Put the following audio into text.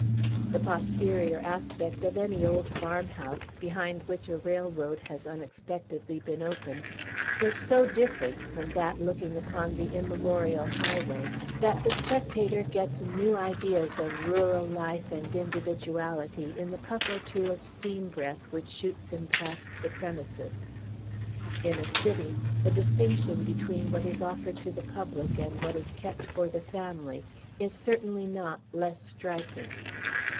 The posterior aspect of any old farmhouse, behind which a railroad has unexpectedly been opened, is so different from that looking upon the immemorial highway, that the spectator gets new ideas of rural life and individuality in the puff or two of steam breath which shoots him past the premises. In a city, the distinction between what is offered to the public and what is kept for the family is certainly not less striking.